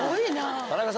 田中さん